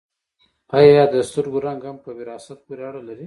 ایا د سترګو رنګ هم په وراثت پورې اړه لري